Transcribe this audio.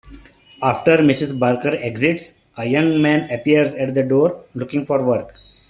After Mrs. Barker exits, a Young Man appears at the door, looking for work.